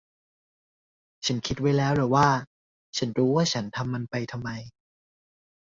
ฉันคิดไว้แล้วแหละว่า ฉันรู้ว่าฉันทำมันไปทำไม